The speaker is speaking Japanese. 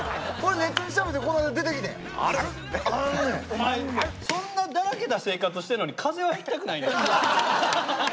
お前そんなだらけた生活してんのに風邪はひきたくないねんな。